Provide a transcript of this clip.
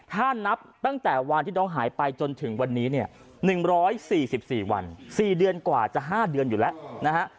ถ้านับตั้งแต่วันที่น้องหายไปจนถึงวันนี้เนี่ย๑๔๔วัน๔เดือนกว่าจะ๕เดือนอยู่แล้วนะฮะ